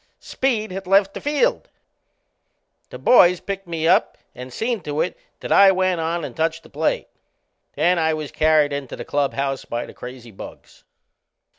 Speed had left the field. The boys picked me up and seen to it that I went on and touched the plate. Then I was carried into the clubhouse by the crazy bugs.